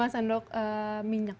lima sendok minyak